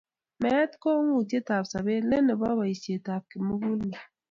Meet ko ung'otyotab sobeet, let nebo boisyetab kimugul met.